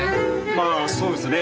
まあそうですね。